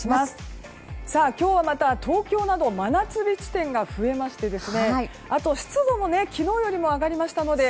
今日はまた東京など真夏日地点が増えましてあと湿度も昨日よりも上がりましたので。